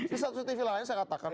di satu tv lain saya katakan